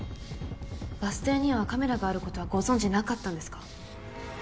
バス停にはカメラがあることはご存じなかったんですか？